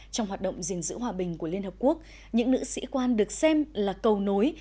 trong hoạt động gìn giữ hòa bình của liên hợp quốc những nữ sĩ quan được xem là cầu nối